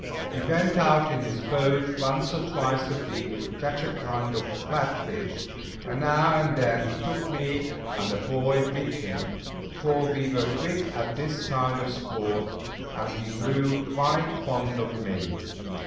He went out in his boat once or twice a week to catch a kind of flat fish, and now and then he took me and a boy with him, for we were quick at this kind of sport, and he grew quite fond of me.